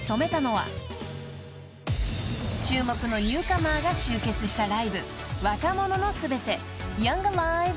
［注目のニューカマーが集結したライブ］